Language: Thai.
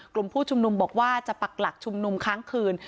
กลุ่มผู้ชุมนุมบอกว่าจะปักหลักชุมนุมค้างคืน